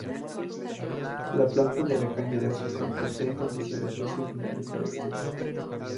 La planta de la caña de azúcar posee condiciones muy similares a estas.